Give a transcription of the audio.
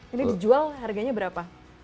ini dijual harganya berapa